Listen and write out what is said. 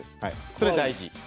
それ大事。